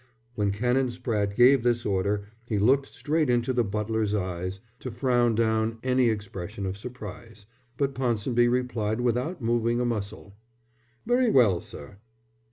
When Canon Spratte gave this order he looked straight into the butler's eyes to frown down any expression of surprise; but Ponsonby replied without moving a muscle. "Very well, sir."